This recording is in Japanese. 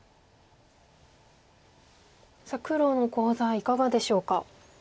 さあ黒のコウ材いかがでしょうか？